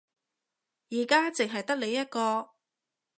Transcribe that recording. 而家淨係得你一個